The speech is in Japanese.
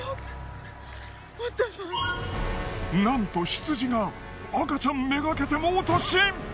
なんと羊が赤ちゃん目がけて猛突進！